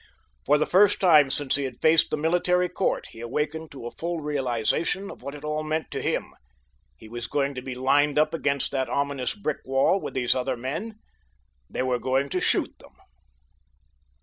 For the first time since he had faced the military court he awakened to a full realization of what it all meant to him—he was going to be lined up against that ominous brick wall with these other men—they were going to shoot them.